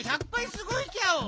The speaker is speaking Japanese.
すごいギャオ！